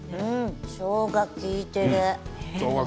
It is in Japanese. しょうが利いている。